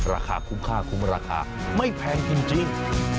ราคาคุ้มค่าคุ้มราคาไม่แพงจริง